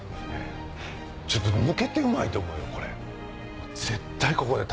ちょっと抜けてうまいと思うよこれ。